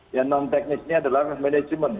yang non teknis ini adalah manajemen